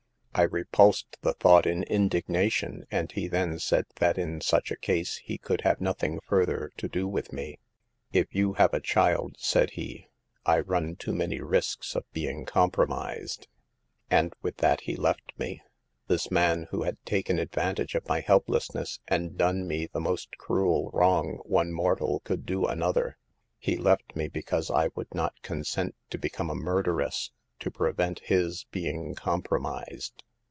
I repulsed the thought in indignation, and he then said that in such a case he could have nothing further to do with me. "'" If you have a child," said he, " I run too many risks of being compromised." THE PERILS OF POVERTY. 155 64 6 And with that he left me— this man who had taken advantage of my helplessness and done me the most cruel wrong one mortal could do another— he left me because I would not consent to become a murderess to prevent his being compromised.